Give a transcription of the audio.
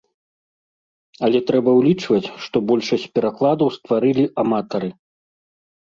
Але трэба ўлічваць, што большасць перакладаў стварылі аматары.